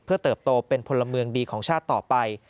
เติบโตเป็นพลเมืองดีของชาติต่อไป